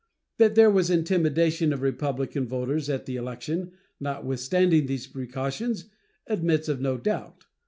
That there was intimidation of Republican voters at the election, notwithstanding these precautions, admits of no doubt.